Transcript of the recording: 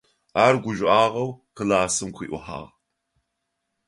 Ар гужъуагъэу классым къыӀухьагъ.